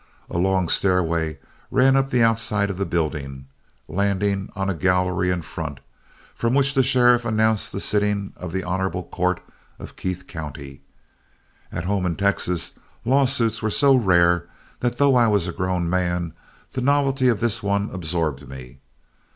A long stairway ran up the outside of the building, landing on a gallery in front, from which the sheriff announced the sitting of the honorable court of Keith County. At home in Texas, lawsuits were so rare that though I was a grown man, the novelty of this one absorbed me.